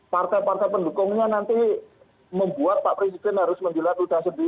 partai partai pendukungnya nanti membuat pak presiden harus menjelat udah sendiri